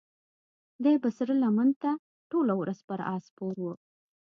دی به سره لمر ته ټوله ورځ پر آس سپور و.